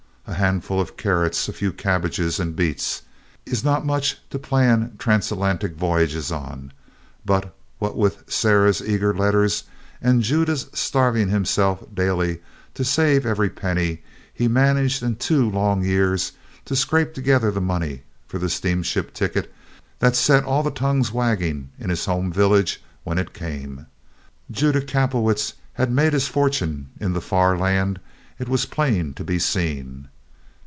A handful of carrots, a few cabbages and beets, is not much to plan transatlantic voyages on; but what with Sarah's eager letters and Judah's starving himself daily to save every penny, he managed in two long years to scrape together the money for the steamship ticket that set all the tongues wagging in his home village when it came: Judah Kapelowitz had made his fortune in the far land, it was plain to be seen.